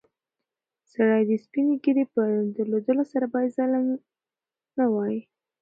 سړی د سپینې ږیرې په درلودلو سره باید ظالم نه وای.